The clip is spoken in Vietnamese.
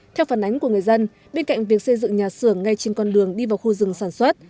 theo phản ánh của người dân bên cạnh việc xây dựng nhà xưởng ngay trên con đường đi vào khu rừng sản xuất